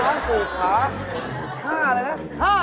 ช้างสี่ขา